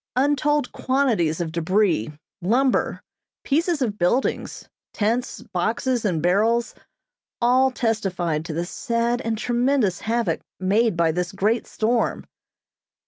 Untold quantities of debris, lumber, pieces of buildings, tents, boxes, and barrels, all testified to the sad and tremendous havoc made by this great storm.